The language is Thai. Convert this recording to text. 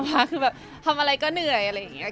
มันก็แบบทำอะไรก็เหนื่อย